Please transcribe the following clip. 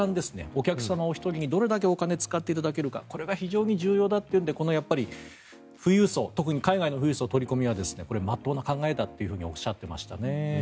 お客様お一人にどれだけお金を使っていただけるかこれが非常に重要ということで富裕層特に海外層の富裕層の取り込みは真っ当な考えだとおっしゃっていましたね。